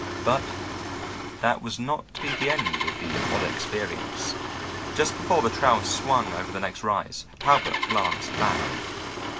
But that was not to be the end of the odd experience. Just before the trail swung over the next rise, Talbot glanced back.